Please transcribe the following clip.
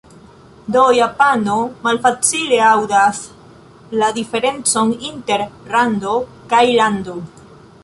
Do japano malfacile aŭdas la diferencon inter "rando" kaj "lando".